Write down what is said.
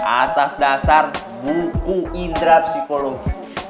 atas dasar buku indra psikologi